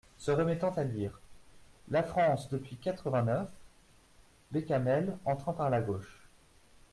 Se remettant à lire. "La France depuis quatre-vingt-neuf…" Bécamel , entrant par la gauche.